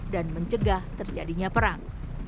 dan mencegah terjadinya perang